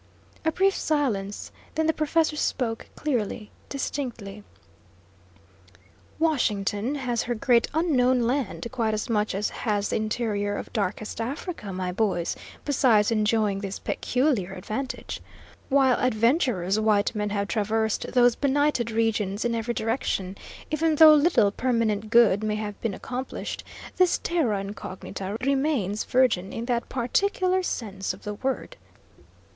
A brief silence, then the professor spoke, clearly, distinctly: "Washington has her great unknown land, quite as much as has the interior of Darkest Africa, my boys, besides enjoying this peculiar advantage: while adventurous white men have traversed those benighted regions in every direction, even though little permanent good may have been accomplished, this terra incognita remains virgin in that particular sense of the word."